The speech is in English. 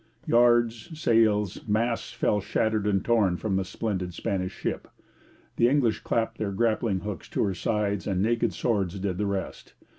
Yards, sails, masts fell shattered and torn from the splendid Spanish ship. The English clapped their grappling hooks to her sides, and naked swords did the rest.